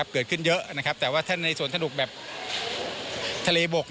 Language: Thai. เกิดขึ้นเยอะนะครับแต่ว่าถ้าในส่วนสนุกแบบทะเลบก